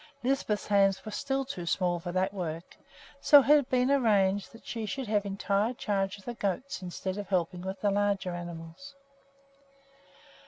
Lisbeth's hands were still too small for that work, so it had been arranged that she should have entire charge of the goats instead of helping with the larger animals.